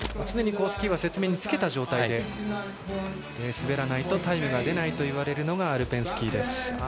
常にスキーは雪面につけた状態で滑らないとタイムが出ないといわれるのがアルペンスキーです。